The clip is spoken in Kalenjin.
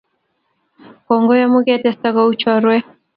Kongoi amu ketesta kou chorwet